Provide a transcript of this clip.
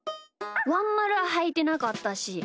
ワンまるははいてなかったし。